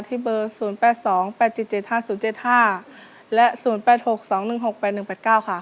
เบอร์๐๘๒๘๗๗๕๐๗๕และ๐๘๖๒๑๖๘๑๘๙ค่ะ